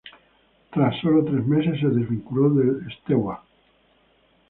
Tras sólo tres meses se desvinculó del Steaua.